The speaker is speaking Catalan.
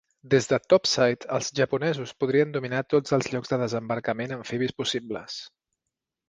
Des de "Topside", els japonesos podrien dominar tots els llocs de desembarcament amfibis possibles.